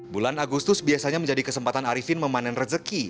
bulan agustus biasanya menjadi kesempatan arifin memanen rezeki